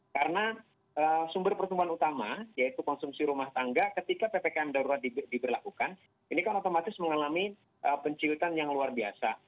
karena sumber pertumbuhan utama yaitu konsumsi rumah tangga ketika ppkm darurat diberlakukan ini kan otomatis mengalami penciutan yang luar biasa